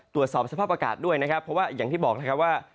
ตรวจสอบสภาพอากาศด้วยนะครับเพราะว่าอย่างที่บอกนะครับว่า